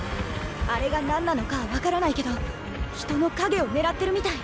あれが何なのかは分からないけど人の影を狙ってるみたい。